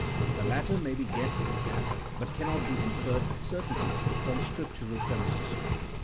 The latter may be guessed at but cannot be in ferred with certainty from Scriptural premises.